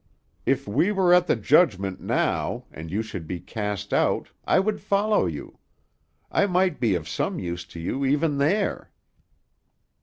If we were at the judgment now, and you should be cast out, I would follow you. I might be of some use to you even there."